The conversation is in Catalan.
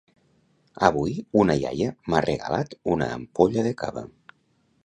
Avui una iaia m'ha regalat una ampolla de cava